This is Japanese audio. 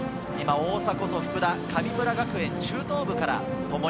大迫と福田、神村学園の中等部からともに。